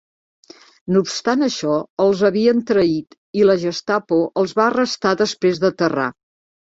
No obstant això, els havien traït i la Gestapo els va arrestar després d"aterrar.